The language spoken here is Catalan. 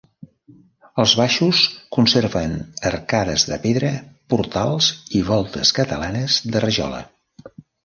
Els baixos conserven arcades de pedra, portals i voltes catalanes de rajola.